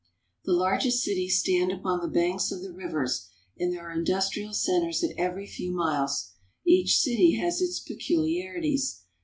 The largest cities stand upon the banks of the rivers, and there are industrial centers at every few miles. Each city has its peculiarities.